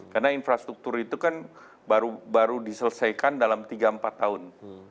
karena infrastruktur itu kan baru diselesaikan dalam tiga empat tahun